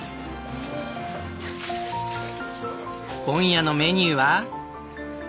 今夜のメニューは。